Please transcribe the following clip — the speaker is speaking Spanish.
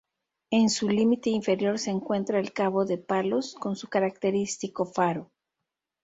En su límite inferior se encuentra el Cabo de Palos con su característico faro.